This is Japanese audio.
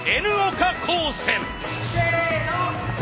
せの。